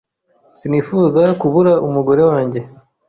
sinifuza kubura umugore wanjye.